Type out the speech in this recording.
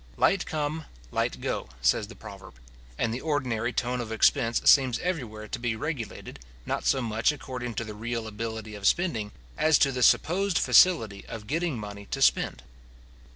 Light come, light go, says the proverb; and the ordinary tone of expense seems everywhere to be regulated, not so much according to the real ability of spending, as to the supposed facility of getting money to spend.